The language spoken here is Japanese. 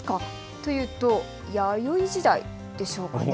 というと弥生時代でしょうか。